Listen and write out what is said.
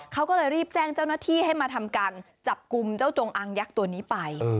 เขาก็เลยรีบแจ้งเจ้าหน้าที่ให้มาทำการจับกลุ่มเจ้าจงอางยักษ์ตัวนี้ไป